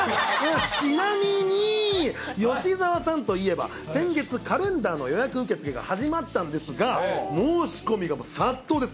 ちなみに、吉沢さんといえば、先月、カレンダーの予約受け付けが始まったんですが、申し込みが殺到です。